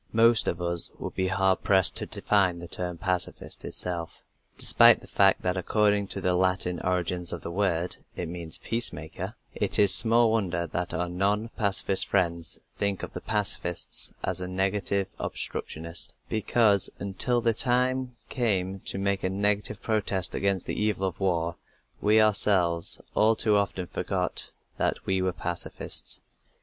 Most of us would be hard pressed to define the term "pacifist" itself. Despite the fact that according to the Latin origins of the word it means "peace maker," it is small wonder that our non pacifist friends think of the pacifist as a negative obstructionist, because until the time came to make a negative protest against the evil of war we ourselves all too often forgot that we were pacifists.